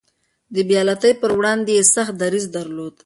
د بې عدالتۍ پر وړاندې يې سخت دريځ درلود.